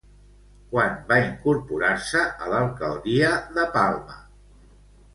Quan va incorporar-se a l'alcaldia de Palma?